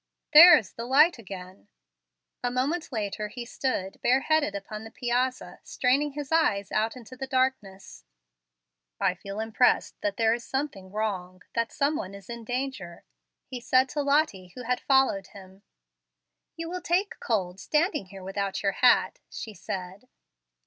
"There is the light again!" A moment later he stood, bare headed, upon the piazza, straining his eyes out into the darkness. "I feel impressed that there is something wrong, that some one is in danger," he said to Lottie, who had followed him. "You will take cold standing here without your hat," she said.